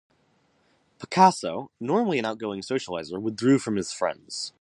Picasso, normally an outgoing socializer, withdrew from his friends.